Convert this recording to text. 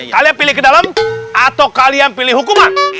kalian pilih ke dalam atau kalian pilih hukuman